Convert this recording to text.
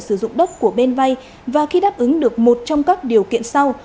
sử dụng đất của bên vay và khi đáp ứng được một trong các điều kiện sau